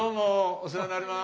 お世話になります。